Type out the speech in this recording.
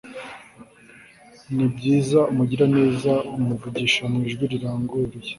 Nibyiza umugiraneza amuvugisha mu ijwi riranguruye